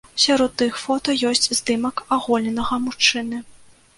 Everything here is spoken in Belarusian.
Сярод тых фота ёсць здымак аголенага мужчыны.